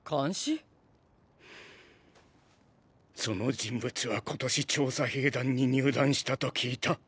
その人物は今年調査兵団に入団したと聞いた。